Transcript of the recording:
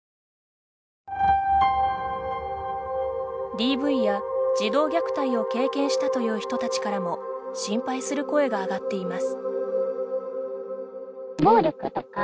ＤＶや児童虐待を経験したという人たちからも心配する声があがっています。